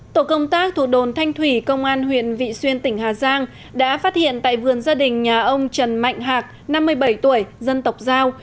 tổ công tác thuộc đồn thanh thủy công an huyện vị xuyên tỉnh hà giang đã phát hiện tại vườn gia đình nhà ông trần mạnh hạc năm mươi bảy tuổi dân tộc giao